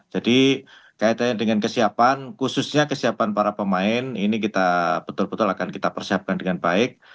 jadi kaitannya dengan kesiapan khususnya kesiapan para pemain ini kita betul betul akan kita persiapkan dengan baik